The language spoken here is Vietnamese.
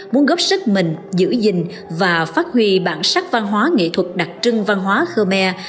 muốn góp sức mình giữ gìn và phát huy bản sắc văn hóa nghệ thuật đặc trưng văn hóa khmer